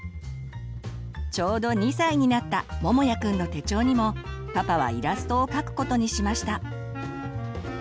ちょうど２歳になったももやくんの手帳にもパパはイラストをかくことにしました。